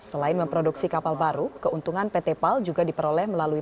selain memproduksi kapal baru keuntungan pt pal juga diperoleh melalui